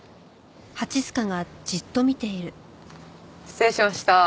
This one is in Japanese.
失礼しましたー。